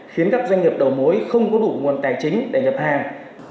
khiến các doanh nghiệp đầu mối không có đủ nguồn tài chính để nhập hàng